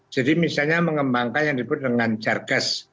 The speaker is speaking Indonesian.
jadi misalnya mengembangkan yang disebut dengan jargas